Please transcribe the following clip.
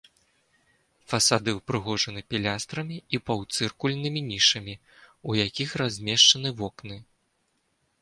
Фасады ўпрыгожаны пілястрамі і паўцыркульнымі нішамі, у якіх размешчаны вокны.